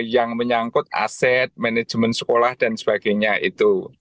yang menyangkut aset manajemen sekolah dan sebagainya itu